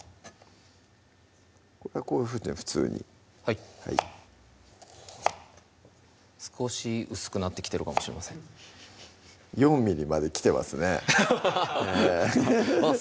こういうふうには普通にはい少し薄くなってきてるかもしれません４ｍｍまできてますねあっ